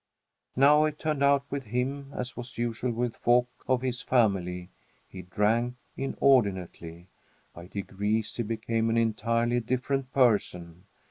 Now it turned out with him, as was usual with folk of his family he drank inordinately. By degrees he became an entirely different person.